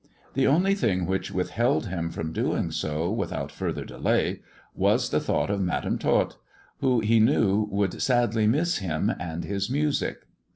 The only thing which withheld him from doing so without further delay, was the thought of Madam Tot, who he knew would sadly miss him and his music.